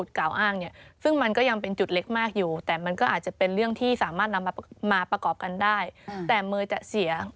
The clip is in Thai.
แต่เมย์จะเสีย